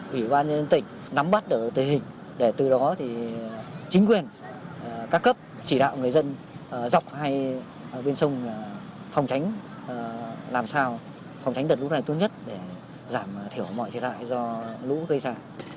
chủ yếu phòng trung quốc báo tỉnh nắm bắt được tình hình để từ đó chính quyền các cấp chỉ đạo người dân dọc hai bên sông phòng tránh làm sao phòng tránh đợt lũ này tốt nhất để giảm thiểu mọi thiệt hại do lũ gây ra